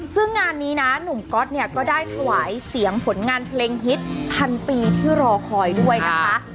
ซึ่งงานนี้นะหนุ่มก๊อตเนี่ยก็ได้ถวายเสียงผลงานเพลงฮิตพันปีที่รอคอยด้วยนะคะ